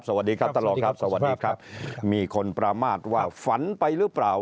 สวัสดีครับตลอดครับมีคนประมาทว่าฝันไปหรือเปล่า